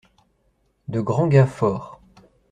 De grands gars forts.